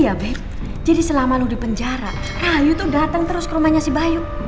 iya bek jadi selama lo di penjara rayu tuh datang terus ke rumahnya si bayu